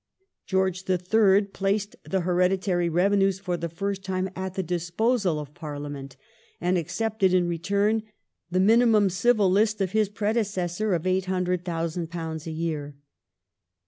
George III. placed the hereditary revenues for the first time at the disposal of Parliament, and accepted in return the minimum Civil List of his predecessor of £800,000 a year.